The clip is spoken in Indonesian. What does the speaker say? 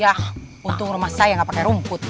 ya untung rumah saya gak pake rumput